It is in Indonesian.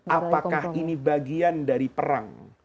apakah ini bagian dari perang